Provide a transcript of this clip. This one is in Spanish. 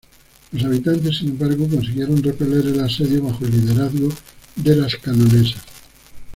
Los habitantes, sin embargo, consiguieron repeler el asedio bajo el liderazgo de las canonesas.